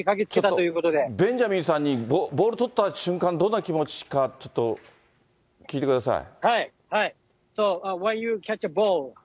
ちょっと、ベンジャミンさんにボール捕った瞬間、どんな気持ちか、ちょっと聞いてください。